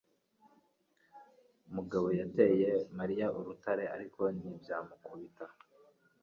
Mugabo yateye Mariya urutare, ariko ntibyamukubita.